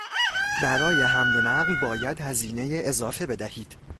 برای حمل و نقل باید هزینهی اضافه بدهید.